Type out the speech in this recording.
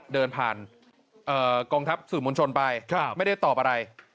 เดินผ่านกองทัพสื่อมวลชนไปไม่ได้ตอบอะไร